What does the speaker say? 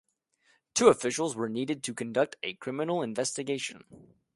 Two officials were needed to conduct a criminal investigation.